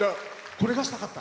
これがしたかった？